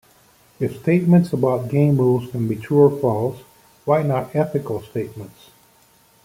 If statements about game rules can be true or false, why not ethical statements?